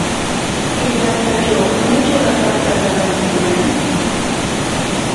Kay markatraw, ¿maytrawtaq tantata rantikuyan?